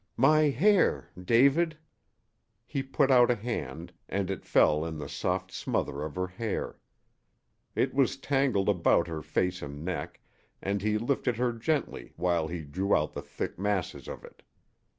"My hair David " He put out a hand, and it fell in the soft smother of her hair. It was tangled about her face and neck, and he lifted her gently while he drew out the thick masses of it.